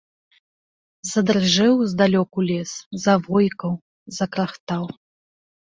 Задрыжэў здалёку лес, завойкаў, закрахтаў.